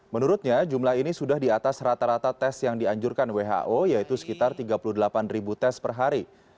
menurutnya jumlah ini sudah di atas rata rata tes yang dianjurkan who yaitu sekitar tiga puluh delapan ribu tes per hari